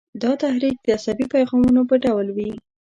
دا تحریک د عصبي پیغامونو په ډول وي.